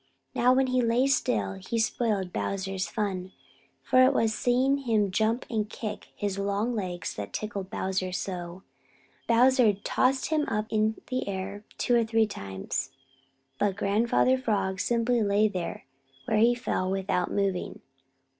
Now when he lay still, he spoiled Bowser's fun, for it was seeing him jump and kick his long legs that tickled Bowser so. Bowser tossed him up in the air two or three times, but Grandfather Frog simply lay where he fell without moving.